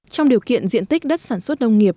trong điều kiện diện tích đất sản xuất nông nghiệp